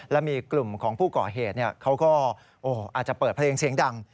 และมีกลุ่มของผู้ก่อเหตุเขาก็อาจจะเปิดเพลงเสียงดัง